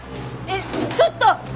えっちょっと！